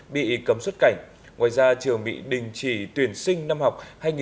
bị cấm xuất cảnh ngoài ra trường mỹ đình chỉ tuyển sinh năm học hai nghìn hai mươi bốn hai nghìn hai mươi năm